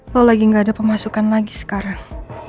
lo lagi gak ada pemasukan lagi sekarang